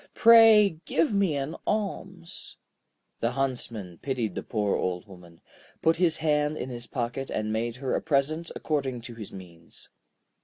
Pray give me an alms.' The Huntsman pitied the poor Old Woman, put his hand in his pocket, and made her a present according to his means.